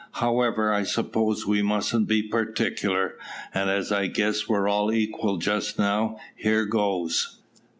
"However, I suppose we mustn't be particular, and as I guess we're all equal just now, here goes."